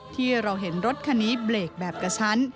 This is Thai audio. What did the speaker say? ที่เราเห็นรถคันนี้เบรกแบบกระชั้น